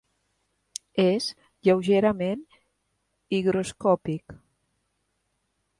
És lleugerament higroscòpic.